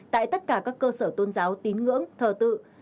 tại tất cả các cơ sở tôn giáo tín ngưỡng thờ tự